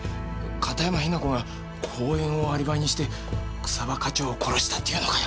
片山雛子が講演をアリバイにして草葉課長を殺したっていうのかよ。